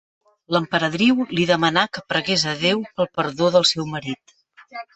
L'emperadriu li demanà que pregués a Déu pel perdó del seu marit.